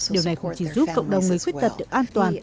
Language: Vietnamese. điều này không chỉ giúp cộng đồng người khuyết tật được an toàn